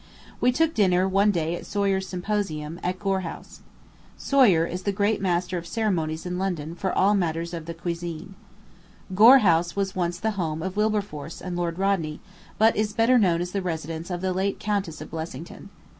We took dinner one day at Soyer's Symposium, at Gore House. Soyer is the great master of ceremonies in London for all matters of the cuisine. Gore House was once the home of Wilberforce and Lord Rodney, but is better known as the residence of the late Countess of Blessington.